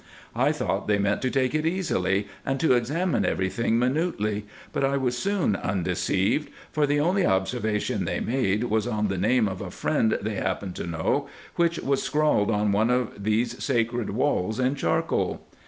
I thought they meant to take it easily, and to examine every thing minutely, but I was soon undeceived, for the only observation they made was on the name of a friend they happened to know, which was scrawled on one of these sacred walls in charcoal.